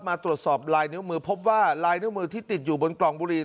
มาตรวจสอบลายนิ้วมือพบว่าลายนิ้วมือที่ติดอยู่บนกล่องบุรี